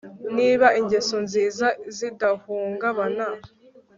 niba ingeso nziza zidahungabana